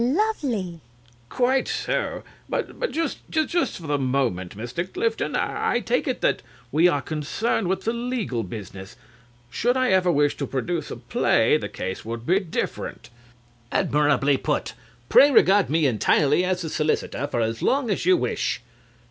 VIOLA. Dick, isn't he lovely? CRAWSHAW. Quite so. But just for the moment, Mr. Clifton, I take it that we are concerned with legal business. Should I ever wish to produce a play, the case would be different. CLIFTON. Admirably put. Pray regard me entirely as the solicitor for as long as you wish.